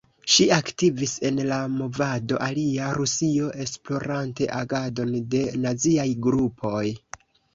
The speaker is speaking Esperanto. Ŝi aktivis en la movado "Alia Rusio" esplorante agadon de naziaj grupoj.